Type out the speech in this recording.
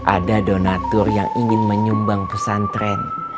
ada donatur yang ingin menyumbang pesantren